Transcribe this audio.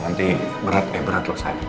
nanti berat eh berat loh saya